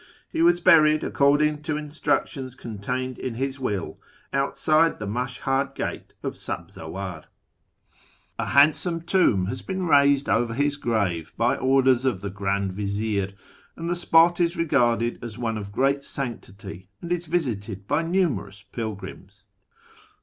' jTe was buried, according to instructions contained in his will, utside the Mashhad gate of Sabzawar. A handsome tomb 134 A YEAR AMONGST THE J'ERSJANS has been raised over liis grave ])y orders of tlie CJnind A''izier, and the spot is regarded as one of great sanctity, and is visited l»y numerous pilgrims.